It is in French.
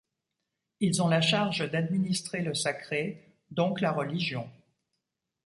Ils ont la charge d’administrer le sacré, donc la religion.